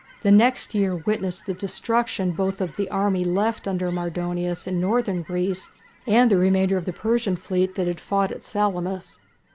The next year witnessed the destruction both of the army left under Mardonius in northern Greece and of the remainder of the Persian fleet that had fought at Salamis.